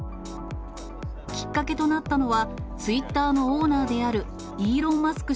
きっかけとなったのは、ツイッターのオーナーであるイーロン・マスク